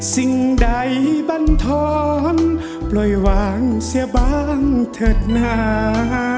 สิ่งใดบรรท้อนปล่อยวางเสียบ้างเถิดหนา